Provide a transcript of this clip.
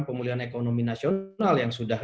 pemulihan ekonomi nasional yang sudah